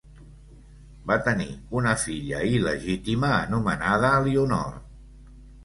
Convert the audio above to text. Va tenir una filla il·legítima anomenada Elionor.